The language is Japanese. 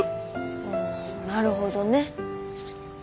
ほうなるほどね。